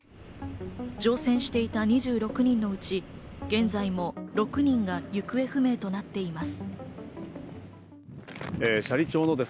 乗船していた２６人のうち、現在も６人が行方不明となっています。